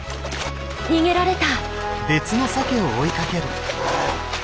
逃げられた！